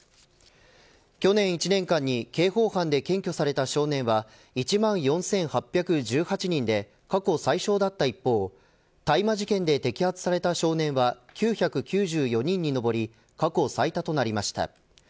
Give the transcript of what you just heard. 去年１年間に刑法犯で検挙された少年は１万４８１８人で過去最少だった一方大麻事件で摘発された少年は９９４人に上り過去最多となりました。